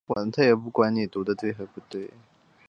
该系列也成为了最受欢迎和成功的格斗游戏系列之一。